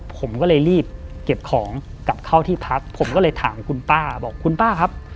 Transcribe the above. ผมก็เลยรีบเก็บของกลับเข้าที่พักผมก็เลยถามคุณป้าบอกคุณป้าครับ